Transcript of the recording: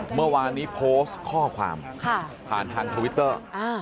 เมื่อวานนี้โพสต์ข้อความผ่านทางทวิตเตอร์